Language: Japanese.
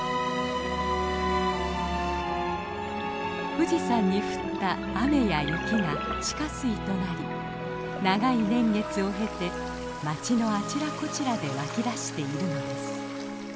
富士山に降った雨や雪が地下水となり長い年月を経て街のあちらこちらで湧き出しているのです。